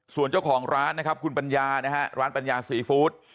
ส่วนเจ้าของร้านนะครับคุณปัญญานะฮะร้านปัญญาซีฟู้ด